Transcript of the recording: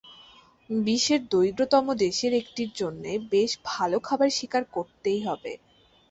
বিশ্বের দরিদ্রতম দেশের একটির জন্যে বেশ ভাল খাবার স্বীকার করতেই হবে।